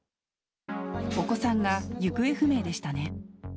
お子さんが行方不明でしたね。